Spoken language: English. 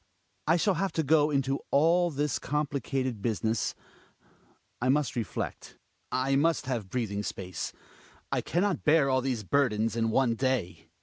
I shall have to go into all this complicated business — I must reflect; I must have breathing space; I can not bear all these burdens in one da y.